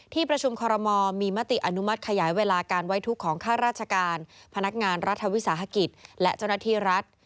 ที่ประชุมคอรมอลมีมติอนุมัติขยายเวลาการไว้ทุกข์ของข้าราชการพนักงานรัฐวิสาหกิจและเจ้าหน้าที่รัฐ